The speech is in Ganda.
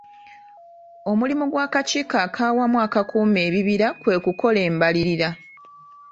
Omulimu gw'Akakiiko ak'Awamu Akakuuma Ebibira kwe kukola embalirira.